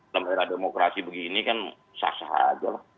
dalam era demokrasi begini kan sah sah aja lah